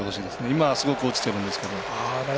今はすごく落ちてるんですけど。